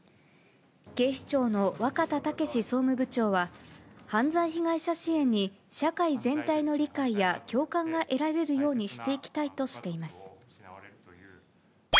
警視庁の若田英総務部長は、犯罪被害者支援に社会全体の理解や共感が得られるようにしていきたいとしています。